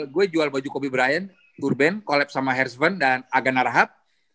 gue jual baju kobe bryant turban collab sama herzven dan agana rahab